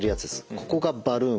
ここがバルーン。